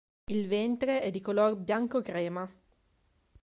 Il ventre è di colore bianco crema.